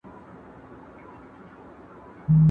¬ ملا بل ته مسئلې کوي، په خپله پرې حملې کوي.